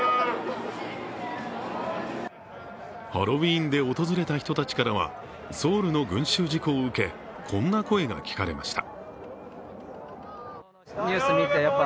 ハロウィーンで訪れた人たちからはソウルの群集事故を受けこんな声が聞かれました。